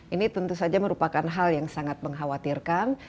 ini tentu saja merupakan hal yang sangat mengkhawatirkan